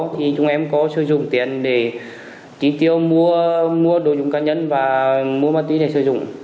thì chúng em có sử dụng tiền để trị tiêu mua đồ dùng cá nhân và mua máy tí để sử dụng